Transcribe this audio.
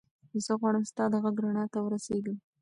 زه غواړم ستا د غږ رڼا ته ورسېږم.